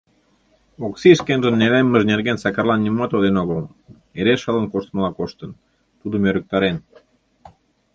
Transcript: Окси шкенжын нелеммыж нерген Сакарлан нимомат ойлен огыл, эре шылын коштмыла коштын, тудым ӧрыктарен.